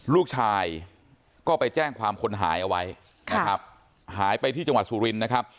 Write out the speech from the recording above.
ลูกชายก็ไปแจ้งความคนหายเอาไว้นะครับหายไปที่จังหวัดสุรินทร์นะครับ